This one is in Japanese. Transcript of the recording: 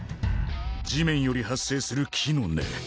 地面より発生する木の根。